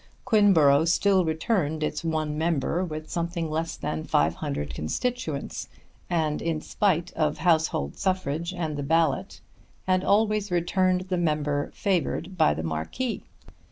Quinborough still returned its one member with something less than 500 constituents, and in spite of household suffrage and the ballot had always returned the member favoured by the Marquis.